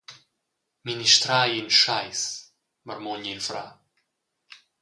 «Ministrar ei in scheiss», marmugna il frar.